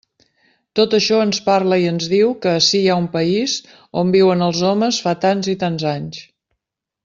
Tot això ens parla i ens diu que ací hi ha un país on viuen els homes fa tants i tants anys.